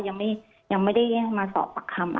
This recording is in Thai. ยังไม่ได้มาสอบปากคำ